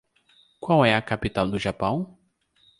Qual é a capital do Japão?